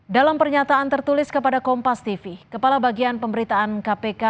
dalam pernyataan tertulis kepada kompas tv kepala bagian pemberitaan kpk